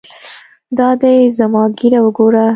دا دى زما ږيره وګوره.